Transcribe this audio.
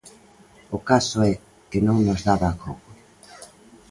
O caso é que non nos daba acougo.